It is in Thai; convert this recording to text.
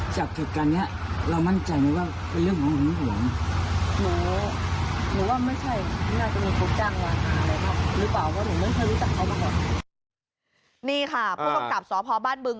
นี่ค่ะผู้กับจับสาธารณ์พนักงานบ้านบึง